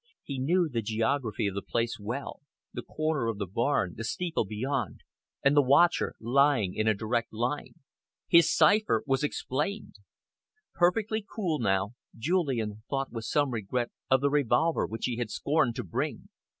He knew the geography of the place well, the corner of the barn, the steeple beyond, and the watcher lying in a direct line. His cipher was explained! Perfectly cool now, Julian thought with some regret of the revolver which he had scorned to bring.